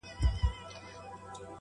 • لوبي وې.